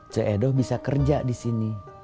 ceedoh bisa kerja di sini